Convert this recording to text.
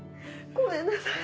ごめんなさい。